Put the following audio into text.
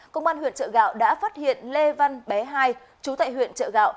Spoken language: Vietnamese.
công an huyện chợ gạo đã phát hiện lê văn bé hai chú tại huyện chợ gạo